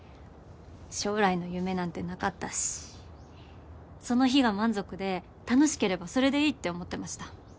将来の夢なんてなかったしその日が満足で楽しければそれでいいって思ってました。